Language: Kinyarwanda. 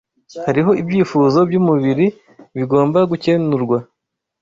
Hariho ibyifuzo by’umubiri bigomba gukenurwa;